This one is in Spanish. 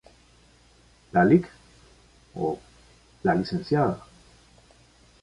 La Lic.